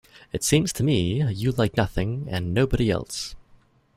It seems to me you like nothing and nobody else.